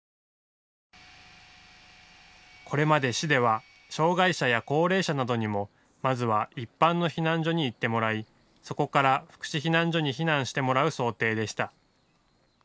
これまで市では障害者や高齢者などにもまずは一般の避難所に行ってもらいそこから福祉避難所に避難してもらう想定でした。